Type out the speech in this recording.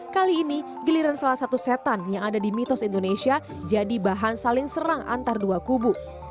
kali ini giliran salah satu setan yang ada di mitos indonesia jadi bahan saling serang antar dua kubu